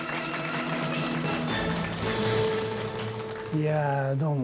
いやあどうも。